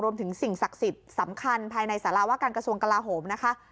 สิ่งศักดิ์สิทธิ์สำคัญภายในสาราว่าการกระทรวงกลาโหมนะคะ